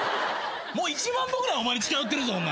もう１万歩ぐらいお前に近寄ってるぞお前。